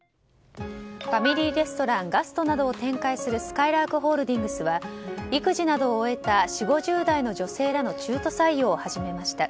ファミリーレストランガストなどを展開するすかいらーくホールディングスは育児などを終えた４０５０代の女性らの中途採用を始めました。